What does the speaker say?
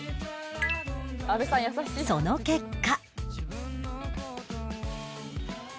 その結果